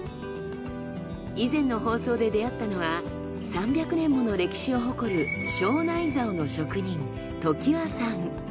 以前の放送で出会ったのは３００年もの歴史を誇る庄内竿の職人常盤さん。